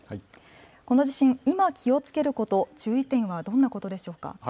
この地震、今、気をつけること、注意点はどんなことでしょうか。